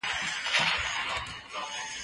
زه کولای سم سیر وکړم!.